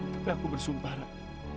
tapi aku bersumpah ratu